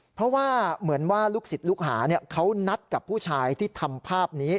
เพราะว่าเหมือนว่าลูกศิษย์ลูกหาเขานัดกับผู้ชายที่ทำภาพนี้